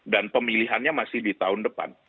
dan pemilihannya masih di tahun depan